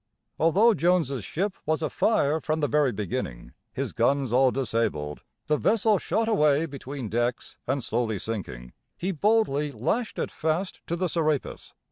Although Jones's ship was afire from the very beginning, his guns all disabled, the vessel shot away between decks and slowly sinking, he boldly lashed it fast to the Serapis.